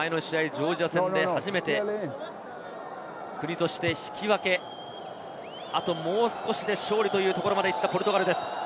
ジョージア戦で、初めて国として引き分け、あともう少しで勝利というところまで来たポルトガルです。